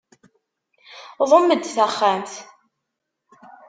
Ḍumm-d taxxamt.